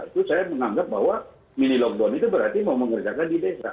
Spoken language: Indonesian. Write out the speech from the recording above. itu saya menganggap bahwa mini lockdown itu berarti mau mengerjakan di desa